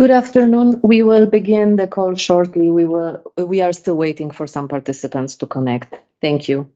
Good afternoon. We will begin the call shortly. We are still waiting for some participants to connect. Thank you.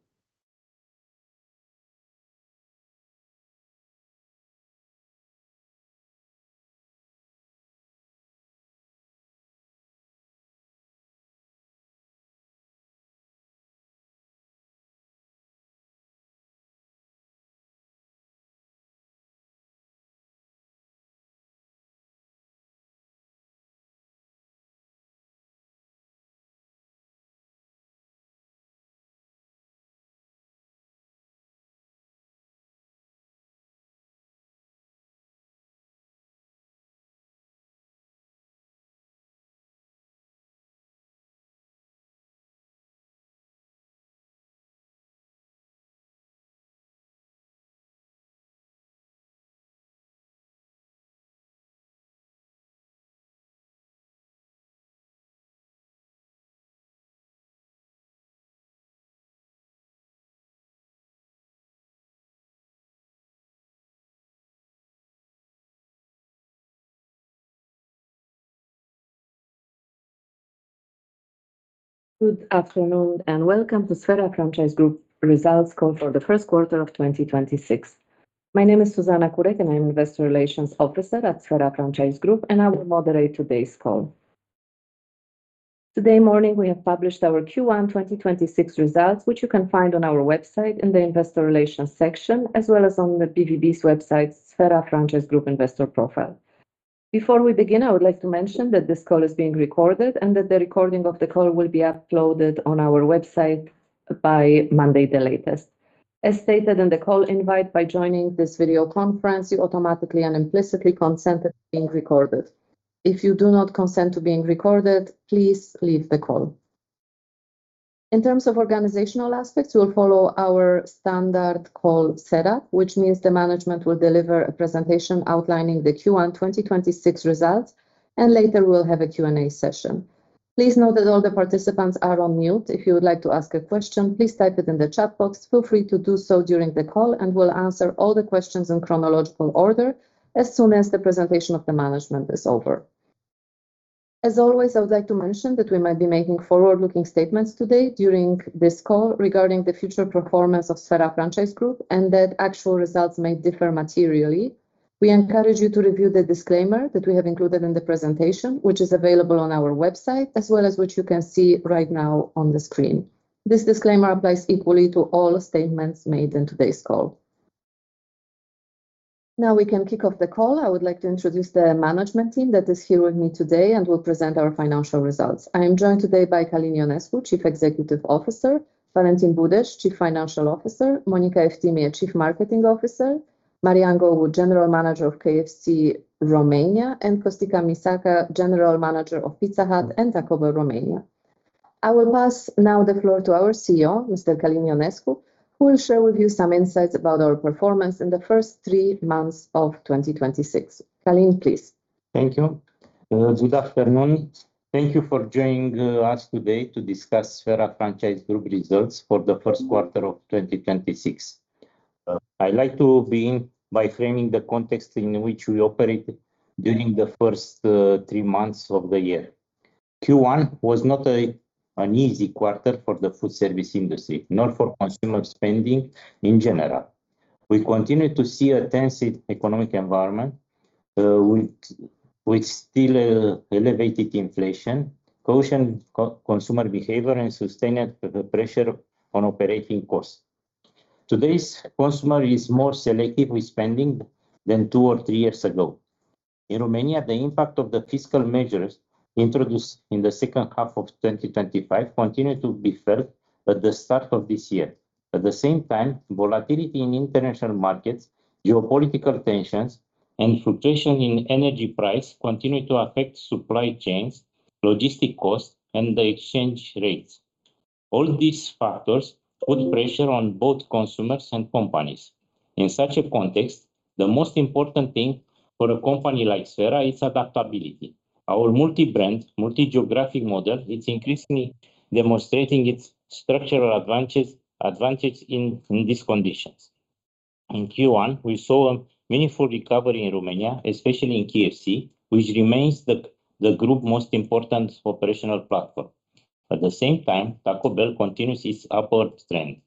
Good afternoon, and welcome to Sphera Franchise Group results call for the first quarter of 2026. My name is Zuzanna Kurek, and I'm Investor Relations Officer at Sphera Franchise Group, and I will moderate today's call. Today morning, we have published our Q1 2026 results, which you can find on our website in the investor relations section, as well as on the BVB's website, Sphera Franchise Group investor profile. Before we begin, I would like to mention that this call is being recorded and that the recording of the call will be uploaded on our website by Monday the latest. As stated in the call invite, by joining this video conference, you automatically and implicitly consent to being recorded. If you do not consent to being recorded, please leave the call. In terms of organizational aspects, we will follow our standard call setup, which means the management will deliver a presentation outlining the Q1 2026 results, and later we will have a Q&A session. Please note that all the participants are on mute. If you would like to ask a question, please type it in the chat box. Feel free to do so during the call and we will answer all the questions in chronological order as soon as the presentation of the management is over. As always, I would like to mention that we might be making forward-looking statements today during this call regarding the future performance of Sphera Franchise Group and that actual results may differ materially. We encourage you to review the disclaimer that we have included in the presentation, which is available on our website as well as what you can see right now on the screen. This disclaimer applies equally to all statements made in today's call. We can kick off the call. I would like to introduce the management team that is here with me today and will present our financial results. I am joined today by Călin Ionescu, Chief Executive Officer, Valentin Budeș, Chief Financial Officer, Monica Eftime, Chief Marketing Officer, Marian Gogu, General Manager of KFC Romania, and Costică Mișacă, General Manager of Pizza Hut and Taco Bell Romania. I will pass now the floor to our CEO, Mr. Călin Ionescu, who will share with you some insights about our performance in the first 3 months of 2026. Călin, please. Thank you. Good afternoon. Thank you for joining us today to discuss Sphera Franchise Group results for the first quarter of 2026. I like to begin by framing the context in which we operate during the three months of the year. Q1 was not an easy quarter for the food service industry, nor for consumer spending in general. We continue to see a tense economic environment with still elevated inflation, cautious consumer behavior, and sustained pressure on operating costs. Today's consumer is more selective with spending than 2 or 3 years ago. In Romania, the impact of the fiscal measures introduced in the second half of 2025 continues to be felt at the start of this year. At the same time, volatility in international markets, geopolitical tensions, and fluctuation in energy prices continue to affect supply chains, logistic costs, and the exchange rates. All these factors put pressure on both consumers and companies. In such a context, the most important thing for a company like Sphera is adaptability. Our multi-brand, multi-geographic model is increasingly demonstrating its structural advantage in these conditions. In Q1, we saw a meaningful recovery in Romania, especially in KFC, which remains the group most important operational platform. At the same time, Taco Bell continues its upward trend.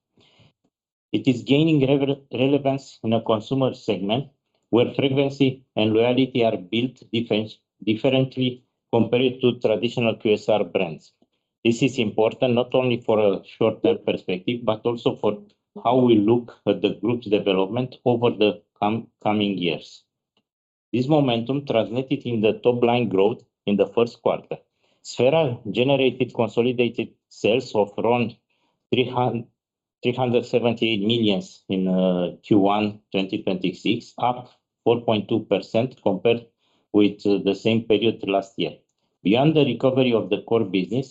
It is gaining relevance in a consumer segment where frequency and loyalty are built differently compared to traditional QSR brands. This is important not only for a short-term perspective, but also for how we look at the group's development over the coming years. This momentum translated in the top line growth in the first quarter. Sphera generated consolidated sales of around RON 378 million in Q1 2026, up 4.2% compared with the same period last year. Beyond the recovery of the core business,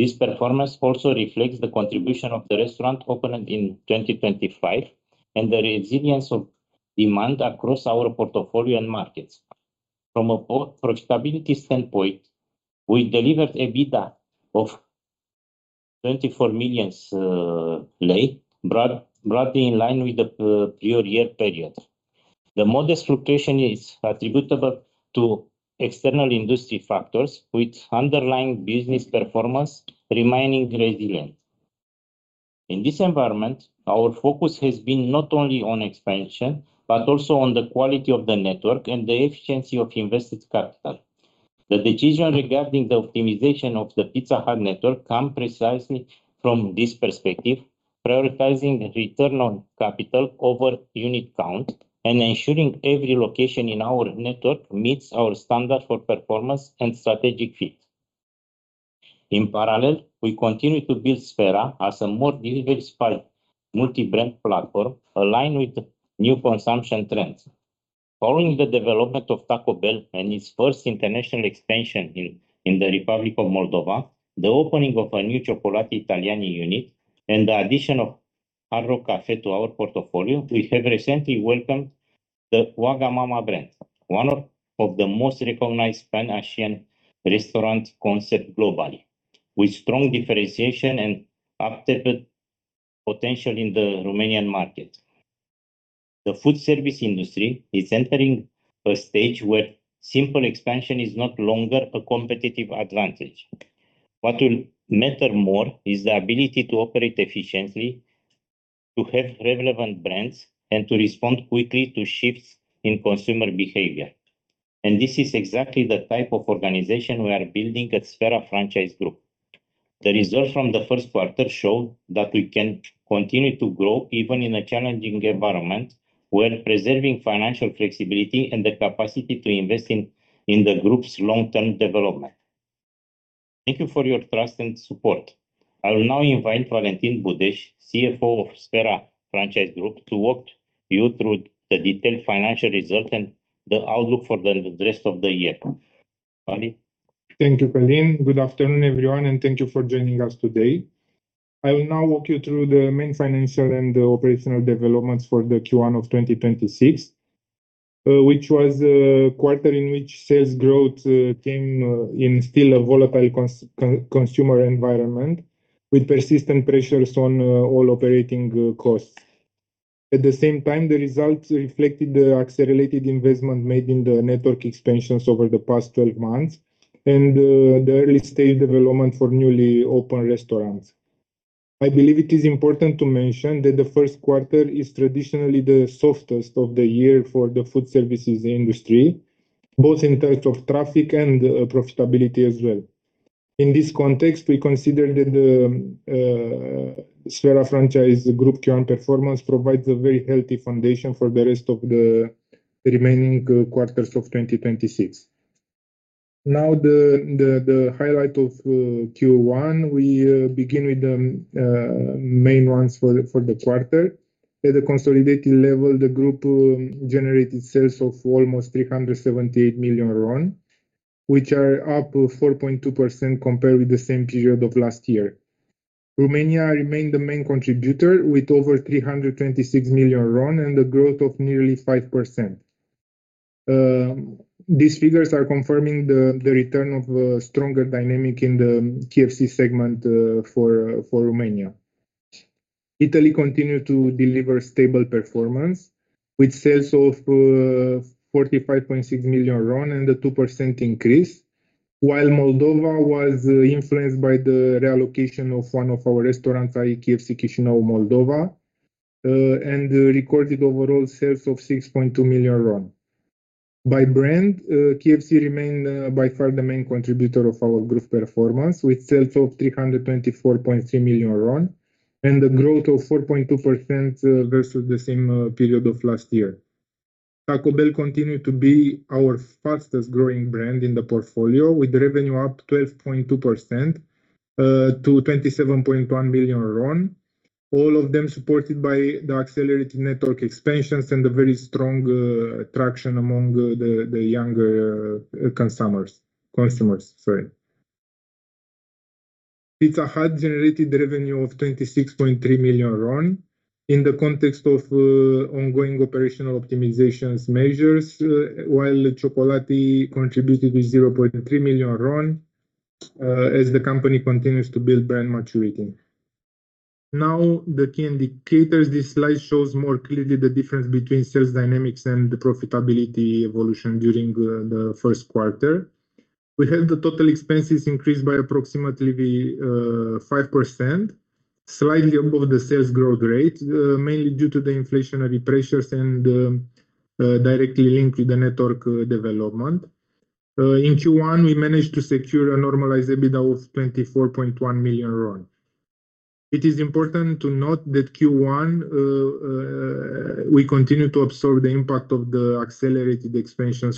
this performance also reflects the contribution of the restaurant opened in 2025 and the resilience of demand across our portfolio and markets. From a profitability standpoint, we delivered a EBITDA of RON 24 million, broadly in line with the prior year period. The modest fluctuation is attributable to external industry factors with underlying business performance remaining resilient. In this environment, our focus has been not only on expansion, but also on the quality of the network and the efficiency of invested capital. The decision regarding the optimization of the Pizza Hut network comes precisely from this perspective, prioritizing return on capital over unit count and ensuring every location in our network meets our standard for performance and strategic fit. In parallel, we continue to build Sphera as a more delivery-spiked multi-brand platform aligned with new consumption trends. Following the development of Taco Bell and its first international expansion in the Republic of Moldova, the opening of a new Cioccolatitaliani unit and the addition of Hard Rock Cafe to our portfolio, we have recently welcomed the wagamama brand, one of the most recognized pan-Asian restaurant concept globally, with strong differentiation and uptaped potential in the Romanian market. The food service industry is entering a stage where simple expansion is no longer a competitive advantage. What will matter more is the ability to operate efficiently, to have relevant brands, and to respond quickly to shifts in consumer behavior. This is exactly the type of organization we are building at Sphera Franchise Group. The results from the first quarter show that we can continue to grow, even in a challenging environment, where preserving financial flexibility and the capacity to invest in the group's long-term development. Thank you for your trust and support. I will now invite Valentin Budeș, CFO of Sphera Franchise Group, to walk you through the detailed financial results and the outlook for the rest of the year. Vali? Thank you, Călin. Good afternoon, everyone, thank you for joining us today. I will now walk you through the main financial and operational developments for the Q1 of 2026, which was a quarter in which sales growth came in still a volatile consumer environment with persistent pressures on all operating costs. At the same time, the results reflected the accelerated investment made in the network expansions over the past 12 months and the early-stage development for newly open restaurants. I believe it is important to mention that the first quarter is traditionally the softest of the year for the food services industry, both in terms of traffic and profitability as well. In this context, we consider that the Sphera Franchise Group current performance provides a very healthy foundation for the rest of the remaining quarters of 2026. The highlight of Q1. We begin with the main ones for the quarter. At the consolidated level, the group generated sales of almost RON 378 million, which are up 4.2% compared with the same period of last year. Romania remained the main contributor with over RON 326 million and a growth of nearly 5%. These figures are confirming the return of a stronger dynamic in the KFC segment, for Romania. Italy continued to deliver stable performance with sales of RON 45.6 million and a 2% increase. While Moldova was influenced by the reallocation of one of our restaurants, i.e., KFC Chisinau, Moldova, and recorded overall sales of RON 6.2 million. By brand, KFC remained by far the main contributor of our group performance, with sales of RON 324.3 million and a growth of 4.2% versus the same period of last year. Taco Bell continued to be our fastest growing brand in the portfolio, with revenue up 12.2% to RON 27.1 million, all of them supported by the accelerated network expansions and a very strong traction among the younger consumers. Sorry. Pizza Hut generated revenue of RON 26.3 million in the context of ongoing operational optimization measures, while Cioccolati contributed with RON 0.3 million, as the company continues to build brand maturity. Now, the key indicators. This slide shows more clearly the difference between sales dynamics and the profitability evolution during the first quarter. We have the total expenses increased by approximately 5%, slightly above the sales growth rate, mainly due to the inflationary pressures and directly linked with the network development. In Q1, we managed to secure a normalized EBITDA of RON 24.1 million. It is important to note that Q1, we continue to absorb the impact of the accelerated expansions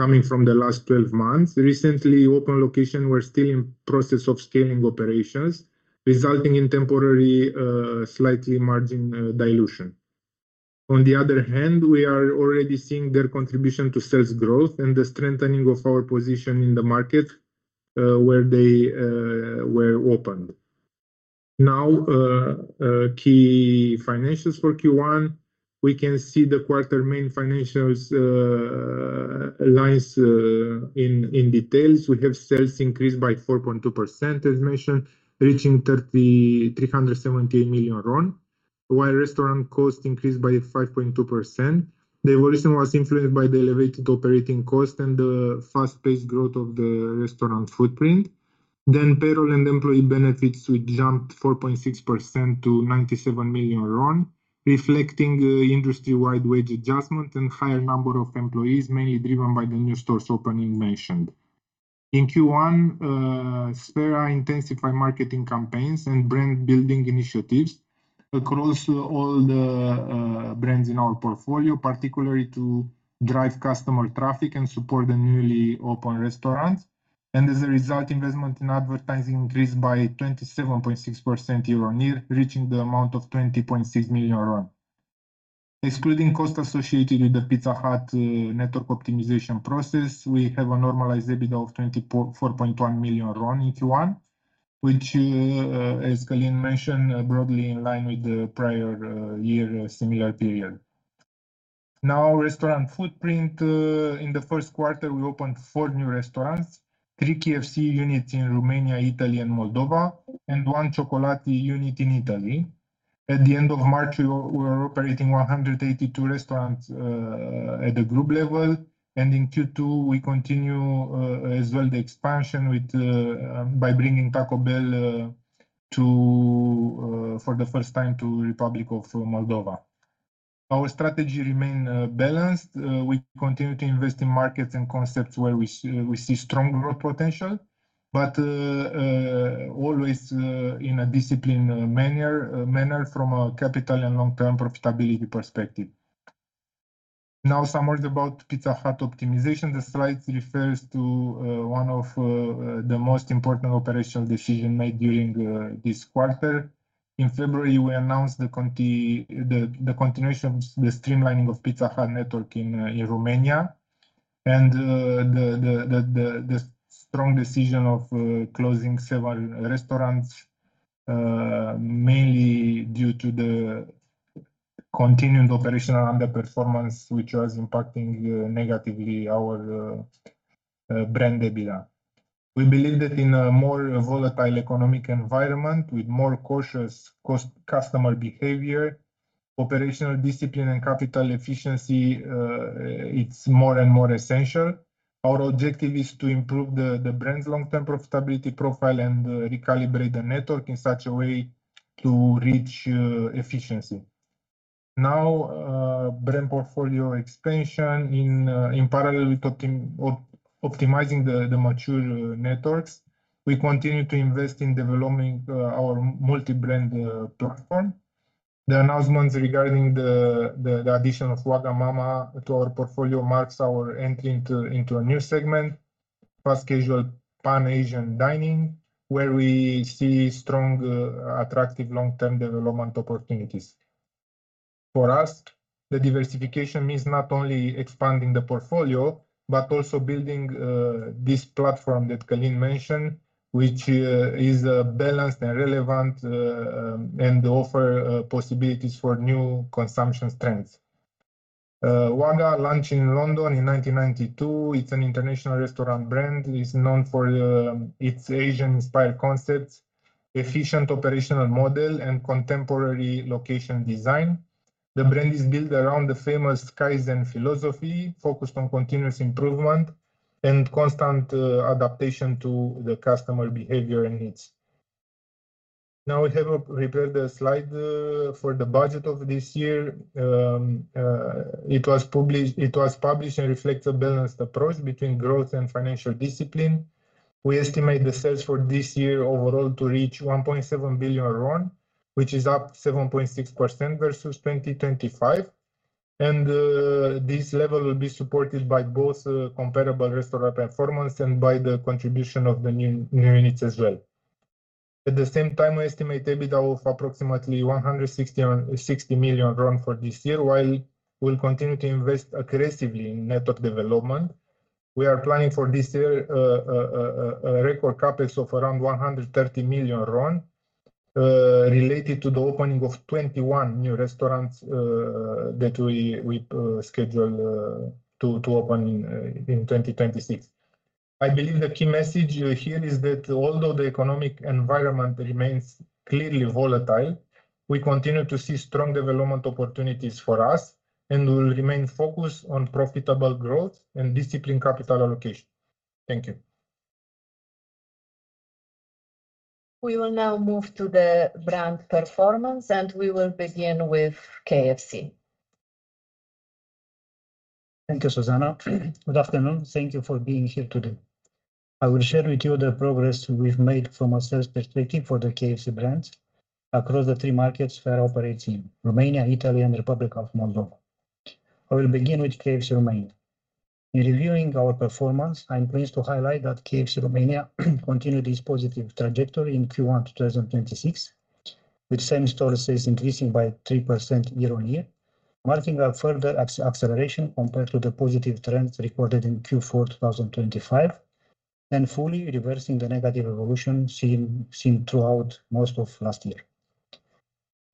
coming from the last 12 months. Recently opened locations were still in process of scaling operations, resulting in temporary, slightly margin dilution. On the other hand, we are already seeing their contribution to sales growth and the strengthening of our position in the market, where they were opened. Now, key financials for Q1. We can see the quarter main financials lines in details. We have sales increased by 4.2%, as mentioned, reaching RON 378 million, while restaurant cost increased by 5.2%. The evolution was influenced by the elevated operating cost and the fast-paced growth of the restaurant footprint. Payroll and employee benefits, which jumped 4.6% to RON 97 million, reflecting industry-wide wage adjustment and higher number of employees, mainly driven by the new stores opening mentioned. In Q1, Sphera intensify marketing campaigns and brand-building initiatives across all the brands in our portfolio, particularly to drive customer traffic and support the newly open restaurants. As a result, investment in advertising increased by 27.6% year-over-year, reaching the amount of RON 20.6 million. Excluding costs associated with the Pizza Hut network optimization process, we have a normalized EBITDA of RON 24.1 million in Q1, which, as Călin mentioned, broadly in line with the prior year similar period. Now, restaurant footprint. In the first quarter, we opened four new restaurants, three KFC units in Romania, Italy, and Moldova, and one Cioccolatitaliani unit in Italy. At the end of March, we were operating 182 restaurants at the group level. In Q2, we continue as well the expansion by bringing Taco Bell for the first time to Republic of Moldova. Our strategy remain balanced. We continue to invest in markets and concepts where we see strong growth potential, but always in a disciplined manner from a capital and long-term profitability perspective. Some words about Pizza Hut optimization. The slide refers to one of the most important operational decision made during this quarter. In February, we announced the continuation of the streamlining of Pizza Hut network in Romania, and the strong decision of closing several restaurants, mainly due to the continued operational underperformance, which was impacting negatively our brand EBITDA. We believe that in a more volatile economic environment with more cautious customer behavior, operational discipline, and capital efficiency, it's more and more essential. Our objective is to improve the brand's long-term profitability profile and recalibrate the network in such a way to reach efficiency. Brand portfolio expansion. In parallel with optimizing the mature networks, we continue to invest in developing our multi-brand platform. The announcements regarding the addition of wagamama to our portfolio marks our entry into a new segment, fast casual Pan-Asian dining, where we see strong, attractive long-term development opportunities. For us, the diversification means not only expanding the portfolio, but also building this platform that Călin mentioned, which is balanced and relevant, and offer possibilities for new consumption trends. Waga launched in London in 1992. It's an international restaurant brand. It's known for its Asian-inspired concepts, efficient operational model, and contemporary location design. The brand is built around the famous Kaizen philosophy, focused on continuous improvement and constant adaptation to the customer behavior and needs. Now, we have prepared a slide for the budget of this year. It was published and reflects a balanced approach between growth and financial discipline. We estimate the sales for this year overall to reach RON 1.7 billion, which is up 7.6% versus 2025. This level will be supported by both comparable restaurant performance and by the contribution of the new units as well. At the same time, we estimate EBITDA of approximately RON 160 million for this year, while we'll continue to invest aggressively in network development. We are planning for this year a record CapEx of around RON 130 million, related to the opening of 21 new restaurants that we schedule to open in 2026. I believe the key message here is that although the economic environment remains clearly volatile, we continue to see strong development opportunities for us, and we will remain focused on profitable growth and disciplined capital allocation. Thank you. We will now move to the brand performance, and we will begin with KFC. Thank you, Zuzanna. Good afternoon. Thank you for being here today. I will share with you the progress we've made from a sales perspective for the KFC brands across the three markets Sphera operates in, Romania, Italy, and Republic of Moldova. I will begin with KFC Romania. In reviewing our performance, I'm pleased to highlight that KFC Romania continued its positive trajectory in Q1 2026, with same-store sales increasing by 3% year-on-year marking a further acceleration compared to the positive trends recorded in Q4 2025, and fully reversing the negative evolution seen throughout most of last year.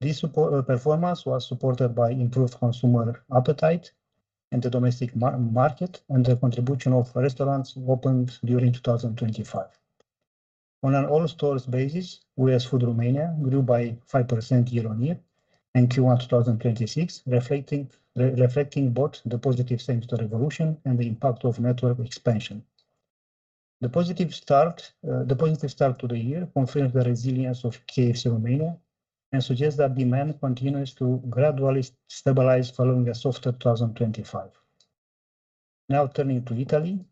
This performance was supported by improved consumer appetite in the domestic market and the contribution of restaurants opened during 2025. On an all stores basis, US Food Romania grew by 5% year-on-year in Q1 2026, reflecting both the positive same store evolution and the impact of network expansion. The positive start to the year confirms the resilience of KFC Romania and suggests that demand continues to gradually stabilize following a softer 2025. Turning to Italy.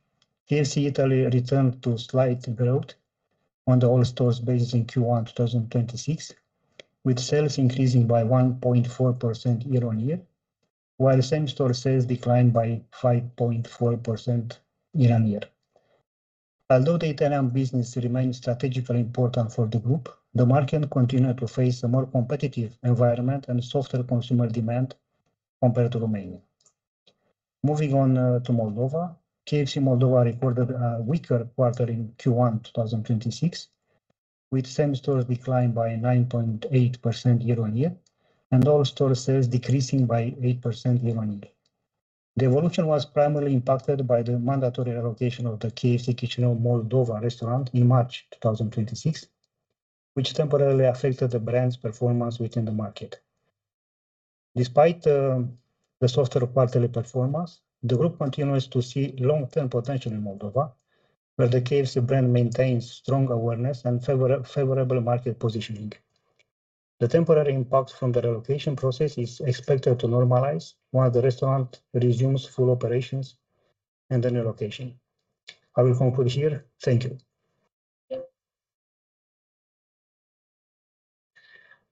KFC Italy returned to slight growth on the all stores basis in Q1 2026, with sales increasing by 1.4% year-on-year, while same store sales declined by 5.4% year-on-year. Although the Italian business remains strategically important for the group, the market continued to face a more competitive environment and softer consumer demand compared to Romania. Moving on to Moldova. KFC Moldova recorded a weaker quarter in Q1 2026, with same stores declined by 9.8% year-on-year, and all store sales decreasing by 8% year-over-year. The evolution was primarily impacted by the mandatory relocation of the KFC Chișinău, Moldova restaurant in March 2026, which temporarily affected the brand's performance within the market. Despite the softer quarterly performance, the group continues to see long-term potential in Moldova, where the KFC brand maintains strong awareness and favorable market positioning. The temporary impact from the relocation process is expected to normalize once the restaurant resumes full operations in the new location. I will conclude here. Thank you.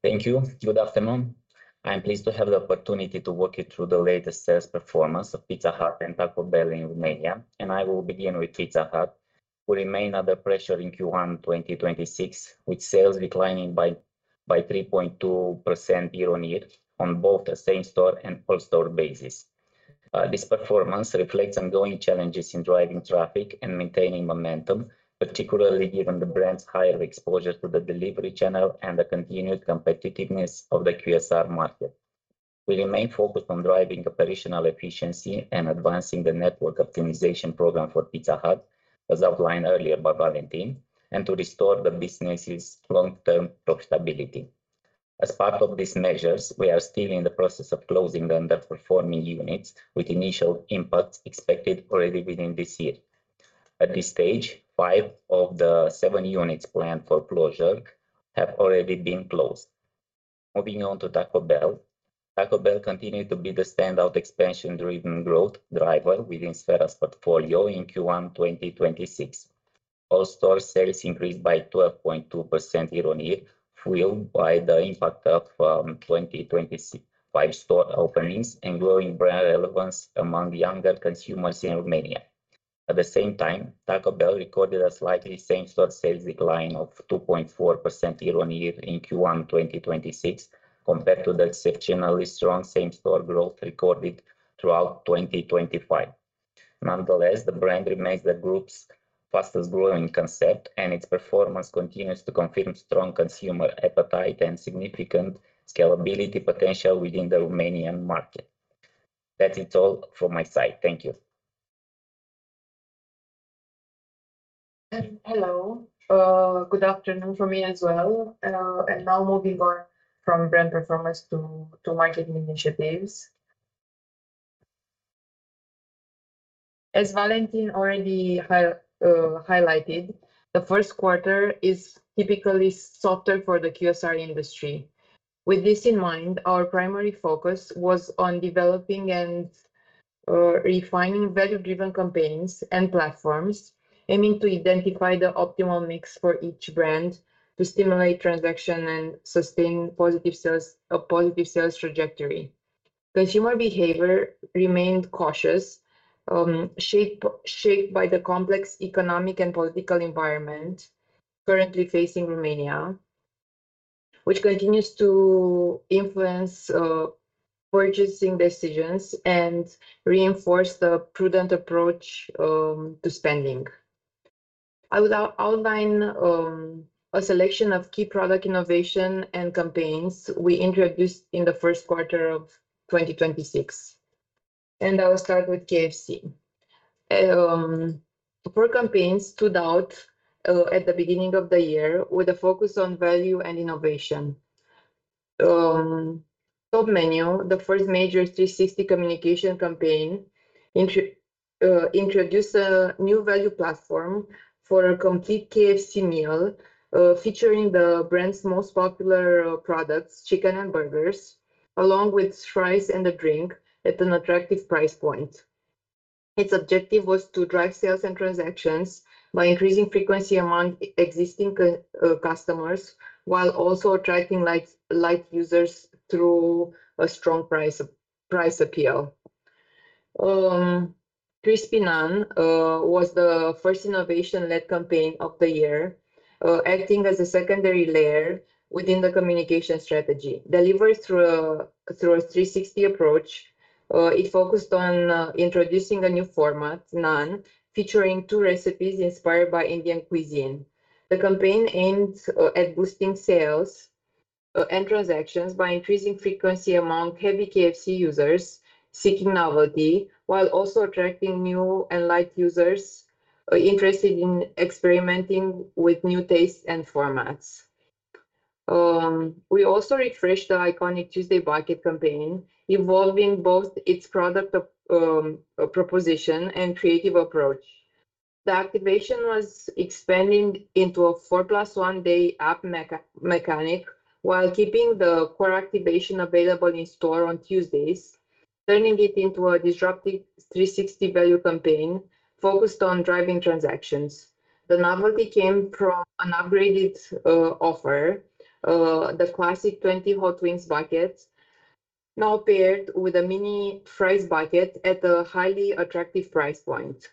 Thank you. Good afternoon. I'm pleased to have the opportunity to walk you through the latest sales performance of Pizza Hut and Taco Bell in Romania, and I will begin with Pizza Hut, who remain under pressure in Q1 2026, with sales declining by 3.2% year-on-year on both the same store and all store basis. This performance reflects ongoing challenges in driving traffic and maintaining momentum, particularly given the brand's higher exposure to the delivery channel and the continued competitiveness of the QSR market. We remain focused on driving operational efficiency and advancing the network optimization program for Pizza Hut, as outlined earlier by Valentin, and to restore the business's long-term profitability. As part of these measures, we are still in the process of closing the underperforming units, with initial impacts expected already within this year. At this stage, 5 of the 7 units planned for closure have already been closed. Moving on to Taco Bell. Taco Bell continued to be the standout expansion-driven growth driver within Sphera's portfolio in Q1 2026. All store sales increased by 12.2% year-on-year, fueled by the impact of 2025 store openings and growing brand relevance among younger consumers in Romania. At the same time, Taco Bell recorded a slightly same store sales decline of 2.4% year-on-year in Q1 2026 compared to the exceptionally strong same store growth recorded throughout 2025. Nonetheless, the brand remains the group's fastest growing concept, and its performance continues to confirm strong consumer appetite and significant scalability potential within the Romanian market. That's it all from my side. Thank you. Hello. Good afternoon from me as well. Now moving on from brand performance to marketing initiatives. As Valentin already highlighted, the first quarter is typically softer for the QSR industry. With this in mind, our primary focus was on developing and refining value-driven campaigns and platforms, aiming to identify the optimal mix for each brand to stimulate transaction and sustain a positive sales trajectory. Consumer behavior remained cautious, shaped by the complex economic and political environment currently facing Romania, which continues to influence purchasing decisions and reinforce the prudent approach to spending. I will outline a selection of key product innovation and campaigns we introduced in the first quarter of 2026, I will start with KFC. Four campaigns stood out at the beginning of the year with a focus on value and innovation. Top Menu, the first major 360 communication campaign, introduced a new value platform for a complete KFC meal featuring the brand's most popular products, chicken and burgers, along with fries and a drink at an attractive price point. Its objective was to drive sales and transactions by increasing frequency among existing customers, while also attracting light users through a strong price appeal. "Crispy Naan" was the first innovation-led campaign of the year, acting as a secondary layer within the communication strategy. Delivered through a 360 approach, it focused on introducing a new format, naan, featuring two recipes inspired by Indian cuisine. The campaign aimed at boosting sales and transactions by increasing frequency among heavy KFC users seeking novelty, while also attracting new and light users interested in experimenting with new tastes and formats. We also refreshed the iconic Tuesday Bucket campaign, evolving both its product proposition and creative approach. The activation was expanding into a four plus one day app mechanic while keeping the core activation available in store on Tuesdays, turning it into a disruptive 360 value campaign focused on driving transactions. The novelty came from an upgraded offer, the classic 20 Hot Wings Bucket, now paired with a mini fries bucket at a highly attractive price point.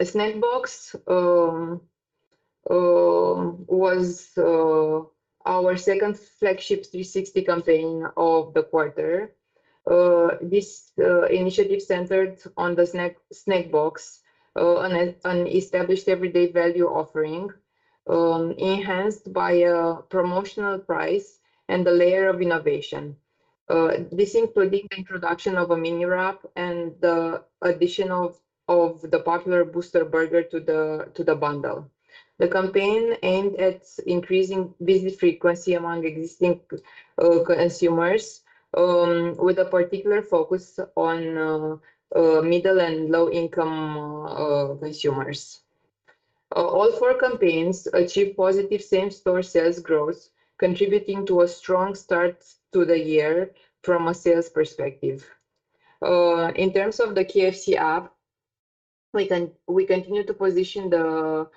Snack Box was our second flagship 360 campaign of the quarter. This initiative centered on the Snack Box, an established everyday value offering, enhanced by a promotional price and a layer of innovation. This included the introduction of a mini wrap and the addition of the popular Booster Burger to the bundle. The campaign aimed at increasing visit frequency among existing consumers, with a particular focus on middle and low-income consumers. All four campaigns achieved positive same-store sales growth, contributing to a strong start to the year from a sales perspective. In terms of the KFC app, we continue to position the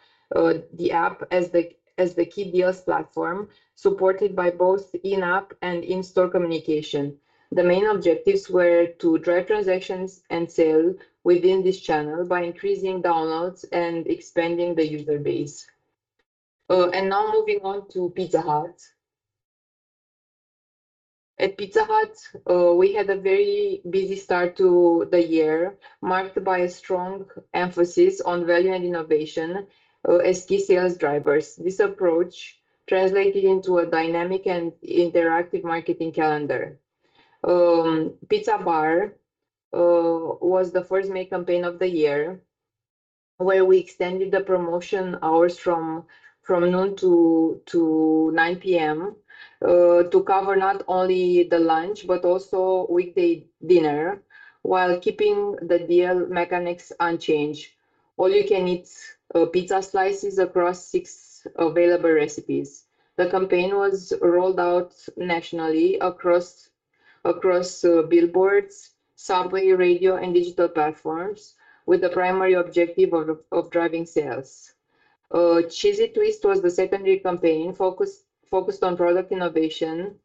app as the key deals platform supported by both in-app and in-store communication. The main objectives were to drive transactions and sale within this channel by increasing downloads and expanding the user base. Now moving on to Pizza Hut. At Pizza Hut, we had a very busy start to the year, marked by a strong emphasis on value and innovation as key sales drivers. This approach translated into a dynamic and interactive marketing calendar. Pizza Bar was the first main campaign of the year, where we extended the promotion hours from noon to 9:00 P.M. to cover not only the lunch but also weekday dinner while keeping the deal mechanics unchanged, all-you-can-eat pizza slices across six available recipes. The campaign was rolled out nationally across billboards, subway, radio, and digital platforms with the primary objective of driving sales. Cheesy Twist was the secondary campaign focused on product innovation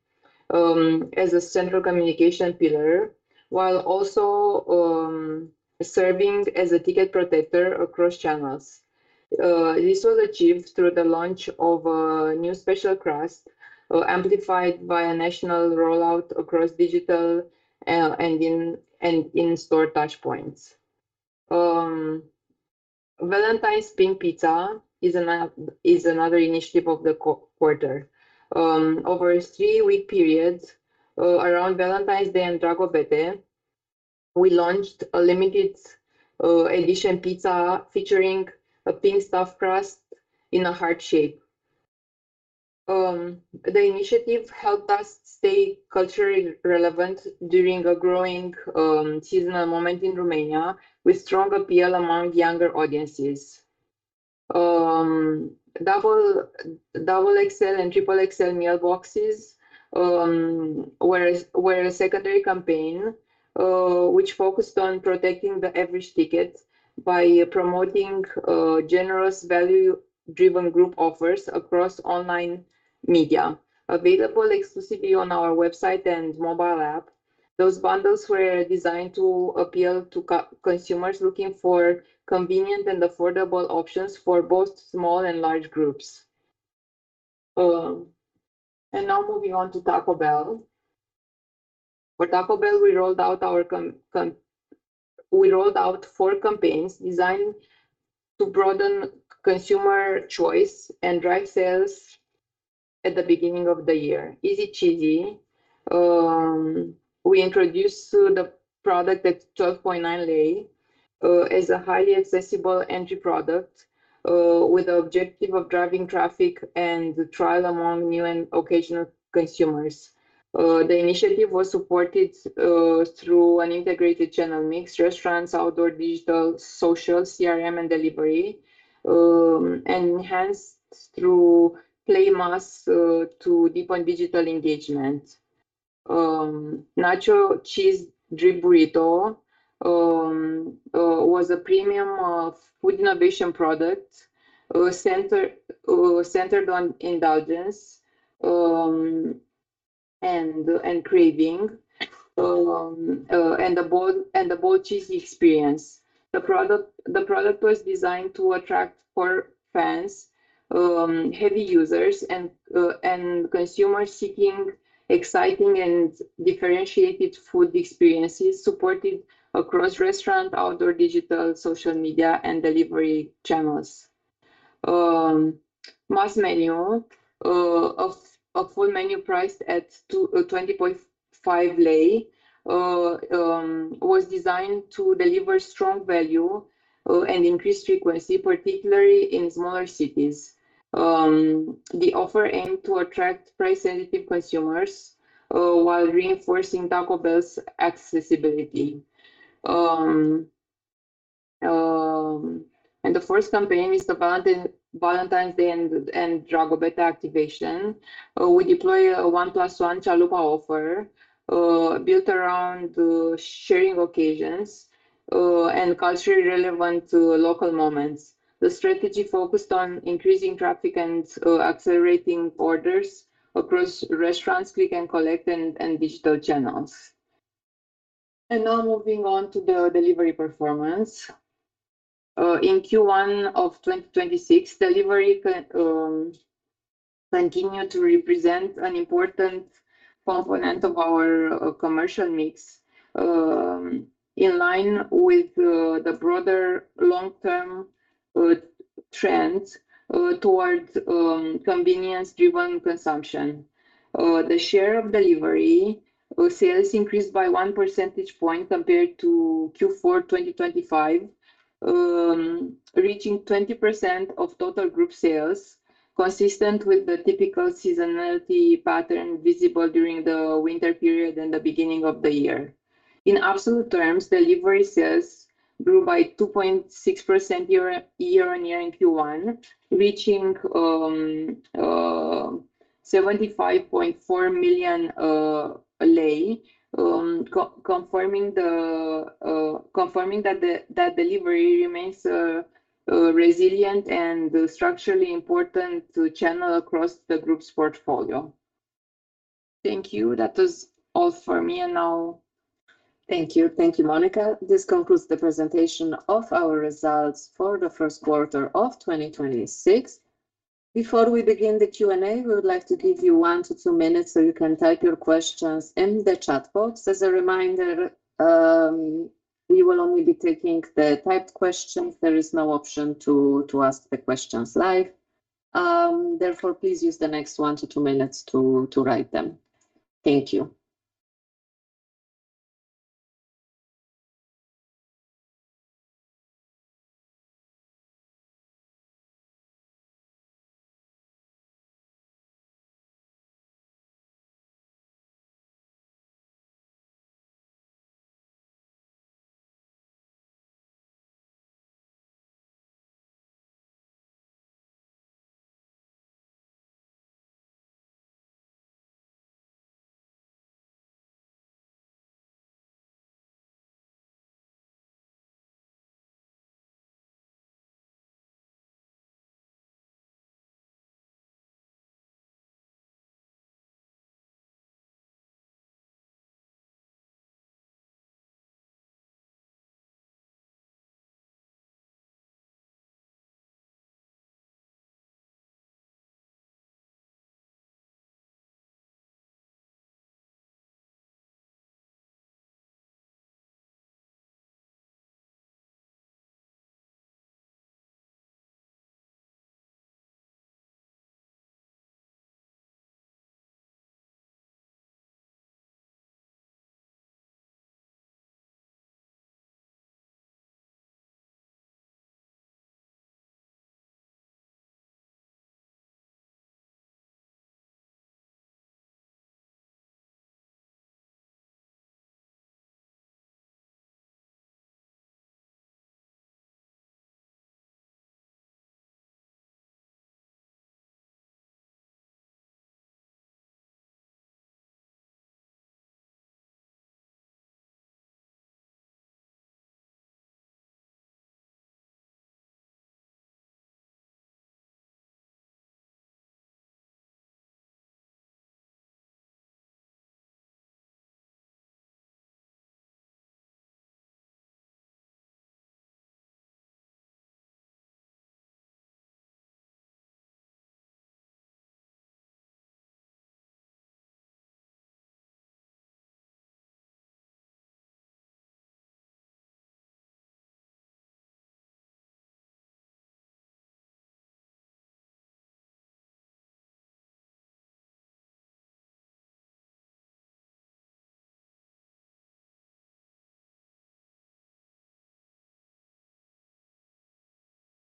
as a central communication pillar, while also serving as a ticket protector across channels. This was achieved through the launch of a new special crust, amplified by a national rollout across digital and in-store touchpoints. Valentine's Pink Pizza is another initiative of the quarter. Over a three-week period around Valentine's Day and Dragobete, we launched a limited edition pizza featuring a pink stuffed crust in a heart shape. The initiative helped us stay culturally relevant during a growing seasonal moment in Romania, with strong appeal among younger audiences. XXL and XXXL meal boxes were a secondary campaign, which focused on protecting the average ticket by promoting generous, value-driven group offers across online media. Available exclusively on our website and mobile app, those bundles were designed to appeal to consumers looking for convenient and affordable options for both small and large groups. Now moving on to Taco Bell. For Taco Bell, we rolled out four campaigns designed to broaden consumer choice and drive sales at the beginning of the year. Easy Cheesy, we introduced the product at RON 12.9 as a highly accessible entry product with the objective of driving traffic and trial among new and occasional consumers. The initiative was supported through an integrated channel mix. Restaurants, outdoor, digital, social, CRM, and delivery, enhanced through play masks to deepen digital engagement. Nacho Cheese Drip Burrito was a premium of food innovation product centered on indulgence, and craving, and the Bold Cheese experience. The product was designed to attract core fans, heavy users, and consumers seeking exciting and differentiated food experiences supported across restaurant, outdoor, digital, social media, and delivery channels. Mass Menu of full menu priced at RON 20.5 was designed to deliver strong value and increase frequency, particularly in smaller cities. The offer aimed to attract price-sensitive consumers while reinforcing Taco Bell's accessibility. The first campaign is the Valentine's Day and Dragobete activation. We deploy a one plus one chalupa offer built around sharing occasions and culturally relevant to local moments. The strategy focused on increasing traffic and accelerating orders across restaurants, click and collect, and digital channels. Now moving on to the delivery performance. In Q1 of 2026, delivery continued to represent an important component of our commercial mix, in line with the broader long-term trends towards convenience-driven consumption. The share of delivery sales increased by 1 percentage point compared to Q4 2025, reaching 20% of total group sales, consistent with the typical seasonality pattern visible during the winter period and the beginning of the year. In absolute terms, delivery sales grew by 2.6% year-on-year in Q1, reaching RON 75.4 million, confirming that delivery remains a resilient and structurally important channel across the group's portfolio. Thank you. That was all for me. Thank you. Thank you, Monica. This concludes the presentation of our results for the first quarter of 2026. Before we begin the Q&A, we would like to give you 1-2 minutes so you can type your questions in the chat box. As a reminder, we will only be taking the typed questions. There is no option to ask the questions live. Please use the next 1-2 minutes to write them. Thank you.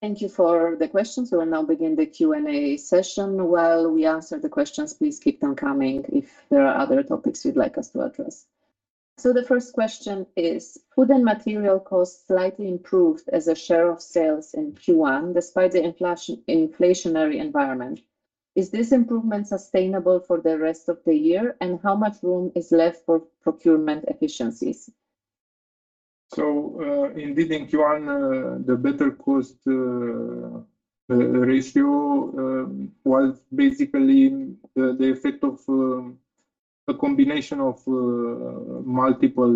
Thank you for the questions. We will now begin the Q&A session. While we answer the questions, please keep them coming if there are other topics you'd like us to address. The first question is, "Food and material costs slightly improved as a share of sales in Q1 despite the inflationary environment. Is this improvement sustainable for the rest of the year, and how much room is left for procurement efficiencies? Indeed, in Q1, the better cost ratio was basically the effect of a combination of multiple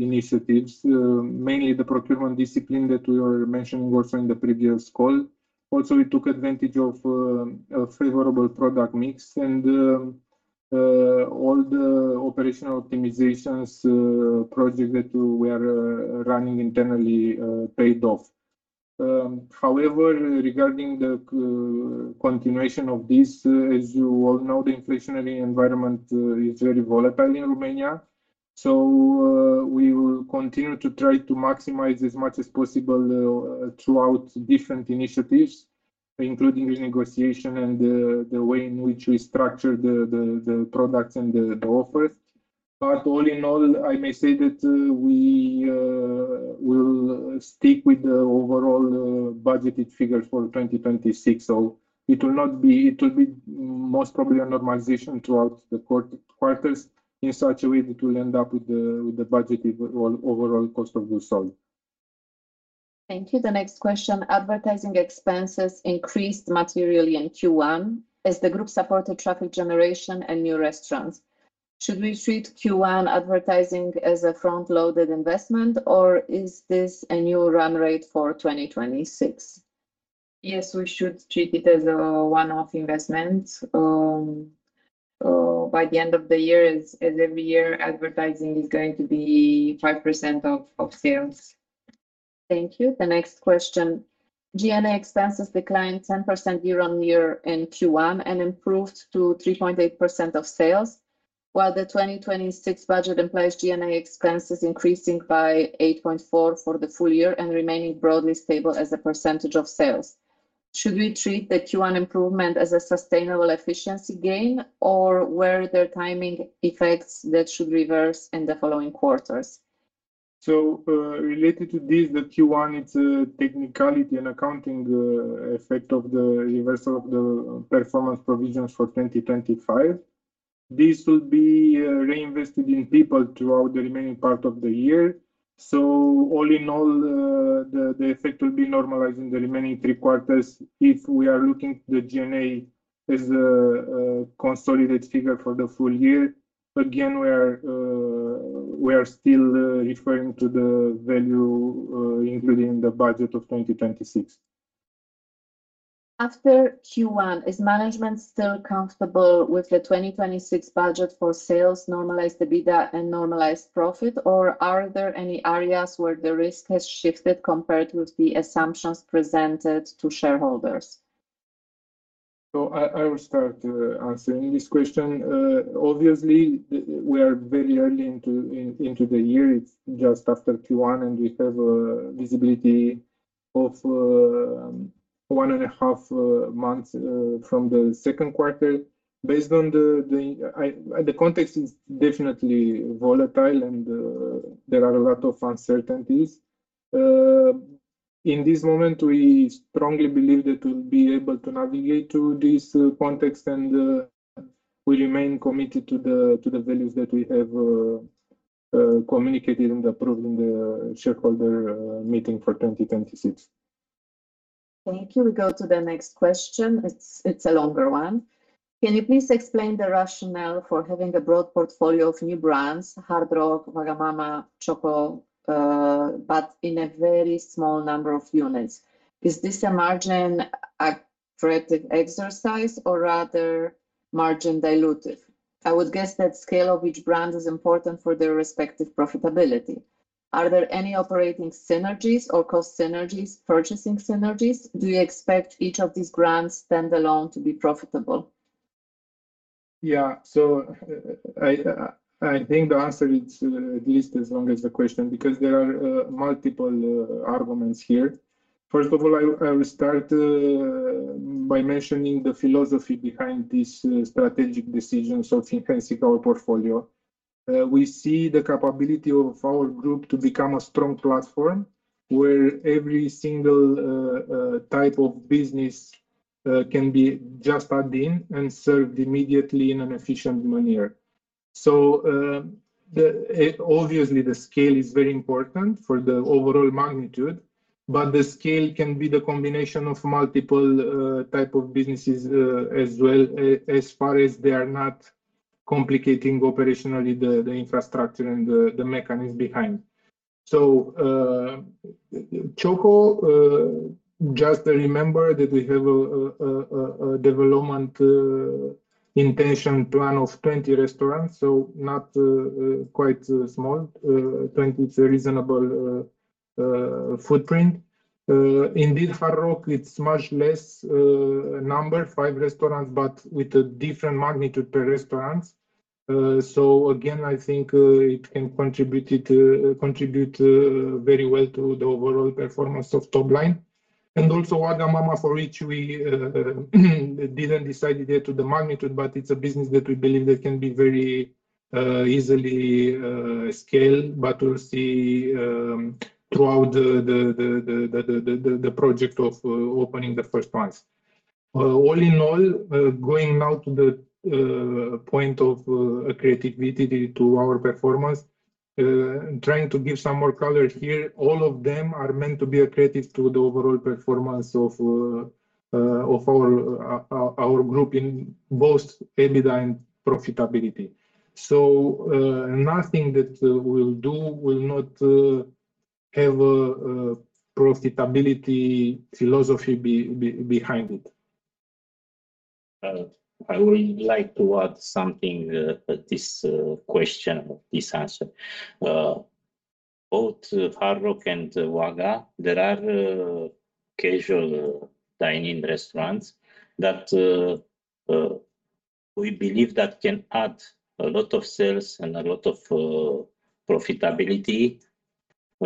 initiatives, mainly the procurement discipline that we were mentioning also in the previous call. We took advantage of a favorable product mix and all the operational optimization projects that we are running internally paid off. However, regarding the continuation of this, as you all know, the inflationary environment is very volatile in Romania. We will continue to try to maximize as much as possible throughout different initiatives, including renegotiation and the way in which we structure the products and the offers. All in all, I may say that we will stick with the overall budgeted figures for 2026. It will be most probably a normalization throughout the quarters in such a way that we'll end up with the budgeted overall cost of goods sold. Thank you. The next question, advertising expenses increased materially in Q1 as the group supported traffic generation and new restaurants. Should we treat Q1 advertising as a front-loaded investment, or is this a new run-rate for 2026? Yes, we should treat it as a one-off investment. By the end of the year, as every year, advertising is going to be 5% of sales. Thank you. The next question. G&A expenses declined 10% year-over-year in Q1 and improved to 3.8% of sales. The 2026 budget implies G&A expenses increasing by 8.4% for the full year and remaining broadly stable as a percentage of sales. Should we treat the Q1 improvement as a sustainable efficiency gain, or were there timing effects that should reverse in the following quarters? Related to this, the Q1, it's a technicality and accounting effect of the reversal of the performance provisions for 2025. This will be reinvested in people throughout the remaining part of the year. All in all, the effect will be normalizing the remaining three quarters. If we are looking at the G&A as a consolidated figure for the full year, again, we are still referring to the value, including the budget of 2026. After Q1, is management still comfortable with the 2026 budget for sales, normalized EBITDA, and normalized profit, or are there any areas where the risk has shifted compared with the assumptions presented to shareholders? I will start answering this question. Obviously, we are very early into the year. It's just after Q1, and we have visibility of 1.5 months from the second quarter. The context is definitely volatile and there are a lot of uncertainties. In this moment, we strongly believe that we'll be able to navigate through this context, and we remain committed to the values that we have communicated and approved in the shareholder meeting for 2026. Thank you. We go to the next question. It's a longer one. Can you please explain the rationale for having a broad portfolio of new brands, Hard Rock, wagamama, Cioccolatitaliani, but in a very small number of units? Is this a margin-accretive exercise or rather margin dilutive? I would guess that scale of each brand is important for their respective profitability. Are there any operating synergies or cost synergies, purchasing synergies? Do you expect each of these brands standalone to be profitable? Yeah. I think the answer is at least as long as the question, because there are multiple arguments here. First of all, I will start by mentioning the philosophy behind this strategic decisions of enhancing our portfolio. We see the capability of our group to become a strong platform where every single type of business can be just added in and served immediately in an efficient manner. Obviously the scale is very important for the overall magnitude, but the scale can be the combination of multiple type of businesses, as well, as far as they are not complicating operationally the infrastructure and the mechanism behind. Cioccolatitaliani, just remember that we have a development intention plan of 20 restaurants, not quite small. 20, it's a reasonable footprint. Indeed, Hard Rock, it's much less number, five restaurants, but with a different magnitude per restaurant. Again, I think it can contribute very well to the overall performance of top line. Also Wagamama, for which we didn't decide yet to the magnitude, but it's a business that we believe that can be very easily scale, but we'll see throughout the project of opening the first ones. All in all, going now to the point of creativity to our performance, trying to give some more color here, all of them are meant to be accretive to the overall performance of our group in both EBITDA and profitability. Nothing that we'll do will not have a profitability philosophy behind it. I would like to add something at this question, this answer. Both Hard Rock and waga, there are casual dining restaurants that we believe that can add a lot of sales and a lot of profitability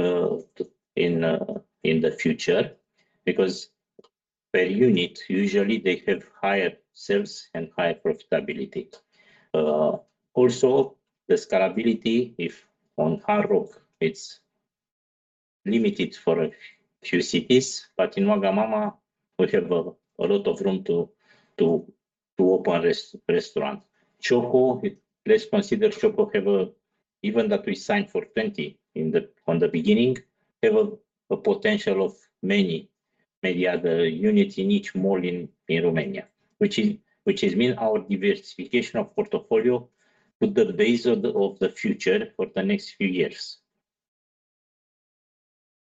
in the future because per unit, usually they have higher sales and higher profitability. The scalability if on Hard Rock, it's limited for a few cities, but in wagamama, we have a lot of room to open restaurants. Choco, let's consider Choco have, even that we signed for 20 on the beginning, have a potential of many other units in each mall in Romania, which is mean our diversification of portfolio with the base of the future for the next few years.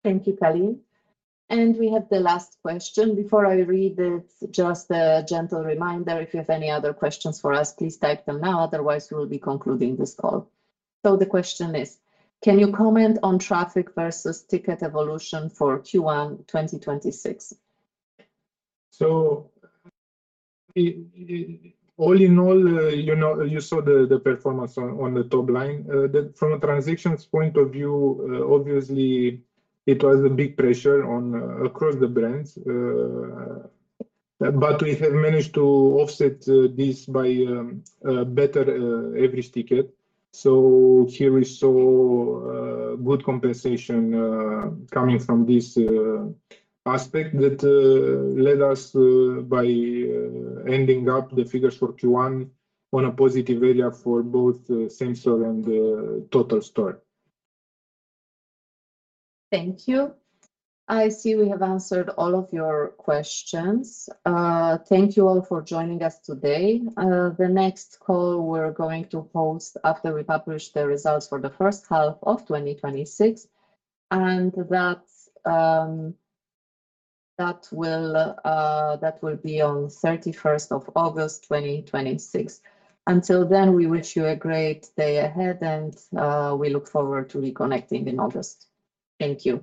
Thank you, Călin. We have the last question. Before I read it, just a gentle reminder, if you have any other questions for us, please type them now. Otherwise, we'll be concluding this call. The question is, can you comment on traffic versus ticket evolution for Q1 2026? All in all, you saw the performance on the top line. From a transactions point of view, obviously it was a big pressure across the brands, but we have managed to offset this by better average ticket. Here we saw good compensation coming from this aspect that led us by ending up the figures for Q1 on a positive area for both same store and total store. Thank you. I see we have answered all of your questions. Thank you all for joining us today. The next call we're going to host after we publish the results for the first half of 2026, that will be on 31st of August 2026. Until then, we wish you a great day ahead and we look forward to reconnecting in August. Thank you.